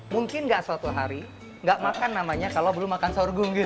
mungkin nggak suatu hari nggak makan namanya kalau belum makan sahur gunggir